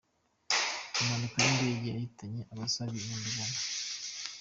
Impanuka y’indege yahitanye abasaga ibihumbi ijana